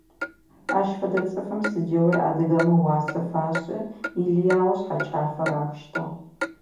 Ащ фэдэ цӀыфым сыдигъуи адыгэмэ уасэ фашӀы, илыягъэу шъхьэкӀафэ рахыщтыгь.